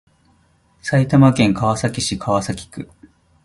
埼玉県川崎市川崎区